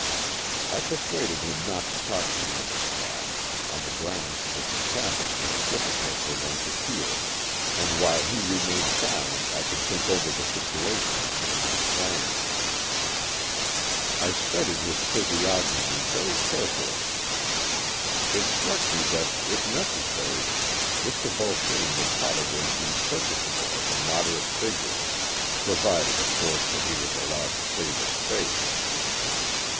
I persuaded him not to talk to me in the cab, on the grounds that the traffic made it difficult for one to hear, and while he remained silent I could think over the situation and make my plans. I studied his physiognomy very carefully. It struck me that, if necessary, Mr. Vulsame would probably be purchasable at a moderate figure, provided of course that he was allowed to save his face.